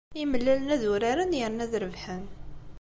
Imellalen ad uraren yerna ad rebḥen.